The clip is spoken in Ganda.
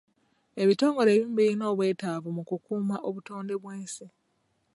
Ebitongole ebimu birina obwetaavu mu kukuuma obutonde bw'ensi.